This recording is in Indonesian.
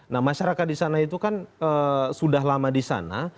nah masyarakat di sana itu kan sudah lama di sana